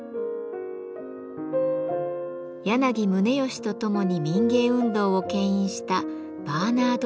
柳宗悦とともに民藝運動を牽引したバーナード・リーチ。